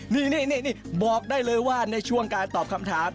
นี่บอกได้เลยว่าในช่วงการตอบคำถาม